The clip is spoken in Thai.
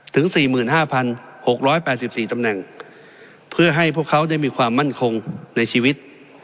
ถึงสี่หมื่นห้าพันหกร้อยแปดสิบสี่ตำแหน่งเพื่อให้พวกเขาได้มีความมั่นคงในชีวิต